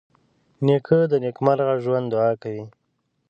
نیکه د نېکمرغه ژوند دعا کوي.